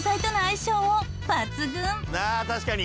「ああ確かに」